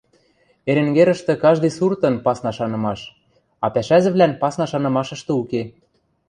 Эренгерӹштӹ каждый суртын пасна шанымаш, а пӓшӓзӹвлӓн пасна шанымашышты уке.